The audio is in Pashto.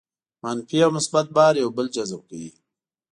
منفي او مثبت بار یو بل جذب کوي.